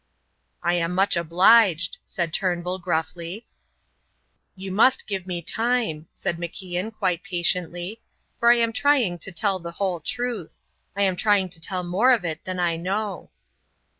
"I am much obliged," said Turnbull, gruffly. "You must give me time," said MacIan, quite patiently, "for I am trying to tell the whole truth. I am trying to tell more of it than I know."